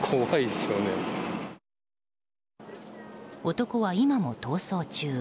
男は今も逃走中。